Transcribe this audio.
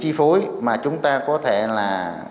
chỉ phối mà chúng ta có thể là